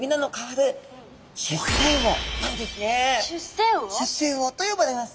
出世魚と呼ばれます。